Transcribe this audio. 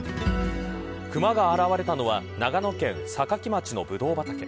クマが現れたのは長野県坂城町のブドウ畑。